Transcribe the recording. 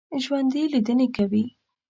ژوندي لیدنې کوي